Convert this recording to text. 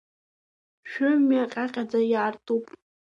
Шәымҩа ҟьаҟьаӡа иаартуп.